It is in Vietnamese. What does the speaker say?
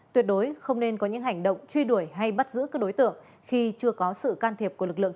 tuyệt đối không nên có những hành động truy đuổi hay bắt giữ các đối tượng khi chưa có sự can thiệp của lực lượng